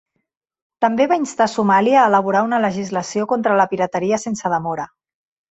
També va instar Somàlia a elaborar una legislació contra la pirateria sense demora.